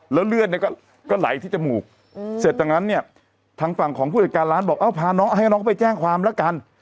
แล้วเลือดเนี่ยก็ไหลที่จมูกเสร็จจากนั้นเนี่ยทางฝั่งของผู้จัดการร้านบอกเอ้าพาน้องให้น้องเขาไปแจ้งความละกัน